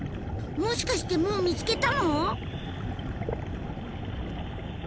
もしかしてもう見つけたの？